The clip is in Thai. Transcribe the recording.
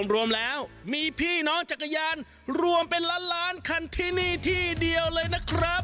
รวมแล้วมีพี่น้องจักรยานรวมเป็นล้านล้านคันที่นี่ที่เดียวเลยนะครับ